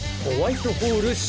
ホワイトホール。